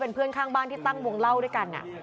เพื่อนข้างบ้านที่ตั้งวงเล่าด้วยกัน